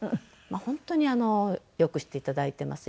本当に良くしていただいてます